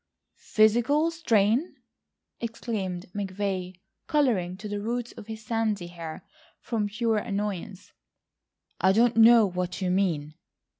"Physical strain!" exclaimed McVay colouring to the roots of his sandy hair, from pure annoyance; "I don't know what you mean